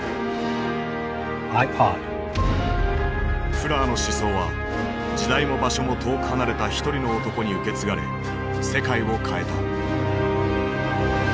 フラーの思想は時代も場所も遠く離れた一人の男に受け継がれ世界を変えた。